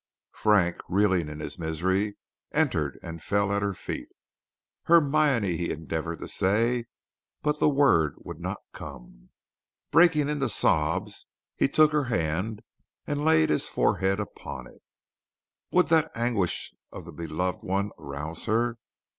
Frank, reeling in his misery, entered and fell at her feet. "Hermione," he endeavored to say, but the word would not come. Breaking into sobs he took her hand and laid his forehead upon it. Would that anguish of the beloved one arouse her?